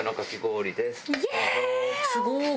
すごい！